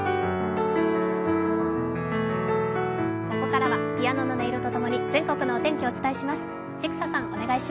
ここからはピアノの音色とともに全国の天気をお伝えします。